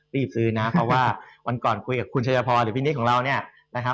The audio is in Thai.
รีบซื้อนะเพราะว่าวันก่อนคุยกับคุณชายพรหรือพี่นิดของเราเนี่ยนะครับ